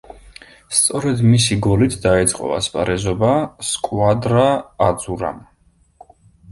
სწორედ მისი გოლით დაიწყო ასპარეზობა სკუადრა აძურამ.